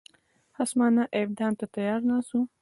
خصمانه افدام ته تیار ناست وو.